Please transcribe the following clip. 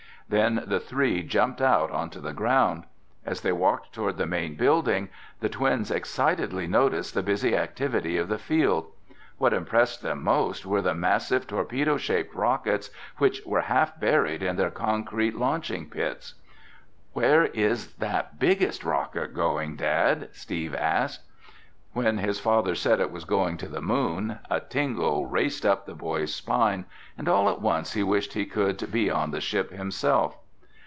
Then the three jumped out onto the ground. As they walked toward the main building, the twins excitedly noticed the busy activity of the field. What impressed them most were the massive torpedo shaped rockets which were half buried in their concrete launching pits. "Where is that biggest rocket going, Dad?" Steve asked. When his father said it was going to the moon, a tingle raced up the boy's spine and all at once he wished he could be on the ship himself.